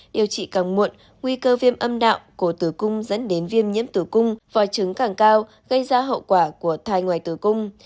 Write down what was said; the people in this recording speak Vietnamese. điều trị càng muộn nguy cơ viêm âm đạo của tứ cung dẫn đến viêm nhiễm tứ cung vòi trứng càng cao gây ra hậu quả của thai ngoài tứ cung